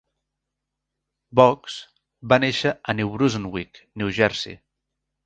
Boggs va néixer a New Brusnwick, New Jersey.